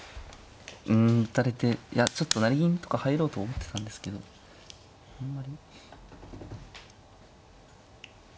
うん打たれていやちょっと成銀とか入ろうと思ってたんですけどあんまり。